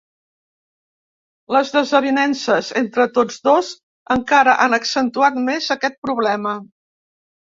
Les desavinences entre tots dos encara han accentuat més aquest problema.